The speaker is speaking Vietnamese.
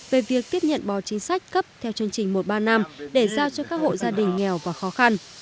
về việc tiếp nhận bò chính sách cấp theo chương trình một trăm ba mươi năm để giao cho các hộ gia đình nghèo và khó khăn